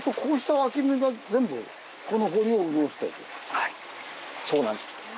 はいそうなんです。